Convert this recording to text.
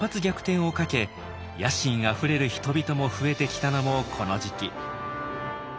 逆転をかけ野心あふれる人々も増えてきたのもこの時期。